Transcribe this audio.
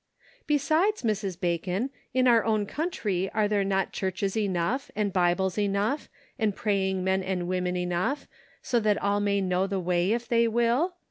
Besides, Mrs. Bacon, in our own country are there not churches enough, and Bibles enough, and praying men and women enough, so that all may know the way if they will